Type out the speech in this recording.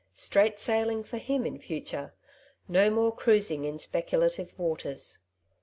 ^^ Straight sailing " for him in future; no more cruising in speculative waters.